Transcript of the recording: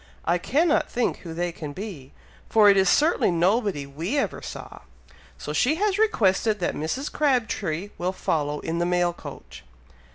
I cannot think who they can be, for it is certainly nobody we ever saw; so she has requested that Mrs. Crabtree will follow in the mail coach."